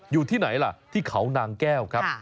อยู่ที่ไหนล่ะที่เขานางแก้วครับ